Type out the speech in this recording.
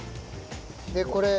でこれ。